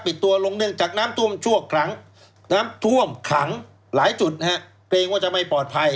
ตัวลงเนื่องจากน้ำท่วมชั่วครั้งน้ำท่วมขังหลายจุดนะฮะเกรงว่าจะไม่ปลอดภัย